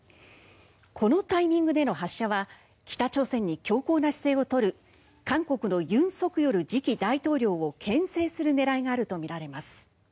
このタイミングでの発射は北朝鮮に強硬な姿勢を取る韓国の尹錫悦次期大統領をけん制する狙いがあるとみられます。